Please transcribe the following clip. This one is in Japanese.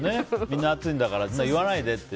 みんな暑いから言わないでって。